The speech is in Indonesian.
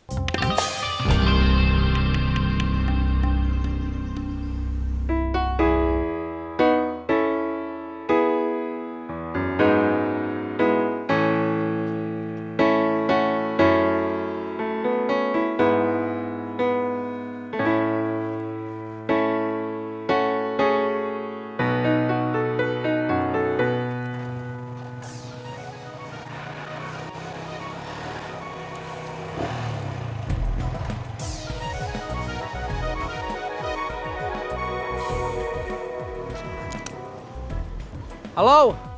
sampai jumpa lagi